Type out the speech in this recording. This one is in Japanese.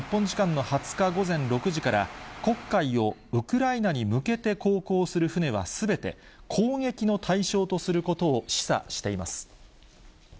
これに伴い、黒海をウクライナに向けて航行する船はすべて攻撃の対象とすることを示唆しています。